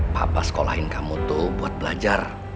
papa sekolahin kamu tuh buat belajar